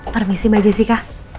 permisi mbak jessica